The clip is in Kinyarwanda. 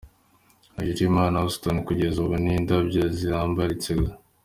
Hejuru y’imva ya Houston kugeza ubu ni indabyo ziharambitse gusa.